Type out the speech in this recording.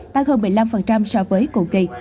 tăng hơn một mươi năm so với cùng kỳ